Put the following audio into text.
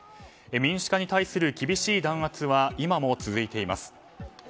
民主化に対する厳しい弾圧は今も続いています。